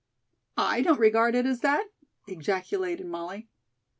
"I don't regard it as that," ejaculated Molly.